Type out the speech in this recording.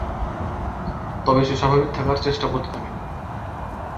তবে সে স্বাভাবিক থাকার চেষ্টা করতে থাকে।